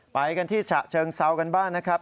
ไปกันที่ฉะเชิงเซากันบ้างนะครับ